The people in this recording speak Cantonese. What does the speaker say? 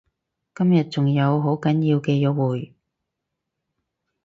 今日仲有好緊要嘅約會